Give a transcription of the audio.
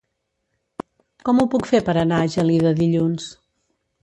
Com ho puc fer per anar a Gelida dilluns?